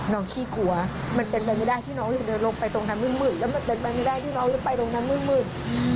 ขี้กลัวมันเป็นไปไม่ได้ที่น้องจะเดินลงไปตรงนั้นมืดแล้วมันเป็นไปไม่ได้ที่น้องจะไปตรงนั้นมืด